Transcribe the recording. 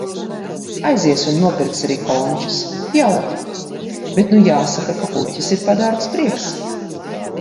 Aizies un nopirks arī končas. Jauki. Bet nu jāsaka, ka puķes ir padārgs prieks.